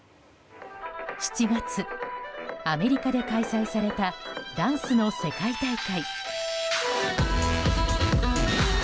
７月、アメリカで開催されたダンスの世界大会。